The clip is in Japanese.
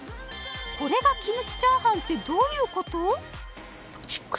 これがキムチチャーハンってどういうこと？